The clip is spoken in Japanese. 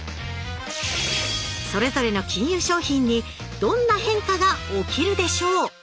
それぞれの金融商品にどんな変化が起きるでしょう？